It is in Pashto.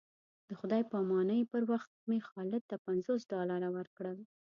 د خدای په امانۍ پر وخت مې خالد ته پنځوس ډالره ورکړل.